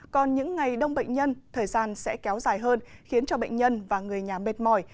còn những ngày đông bệnh nhân thời gian sẽ kéo dài hơn khiến cho bệnh nhân và người nhà mệt mỏi